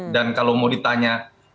dan kalau mau ditanya